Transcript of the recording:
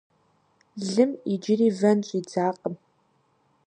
Лым иджыри вэн щӀидзакъым.